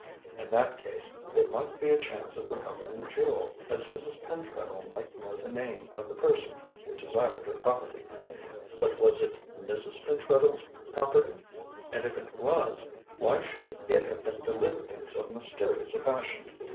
In that case, there might be a chance of recovering the jewel, as Mrs. Pentreddle might know the name of the person who desired her property. But was it Mrs. Pentreddle's property, and if it was, why should it have been delivered in so mysterious a fashion?